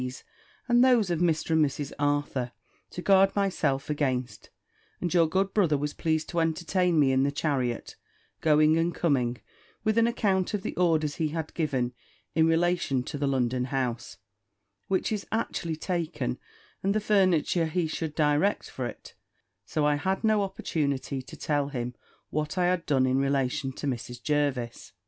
's, and those of Mr. and Mrs. Arthur, to guard myself against: and your good brother was pleased to entertain me in the chariot, going and coming, with an account of the orders he had given in relation to the London house, which is actually taken, and the furniture he should direct for it; so that I had no opportunity to tell him what I had done in relation to Mrs. Jervis.